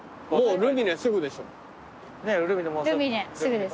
ルミネすぐです。